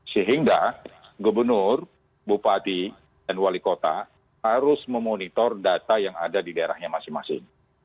sehingga gubernur bupati dan wali kota harus memonitor data yang ada di daerahnya masing masing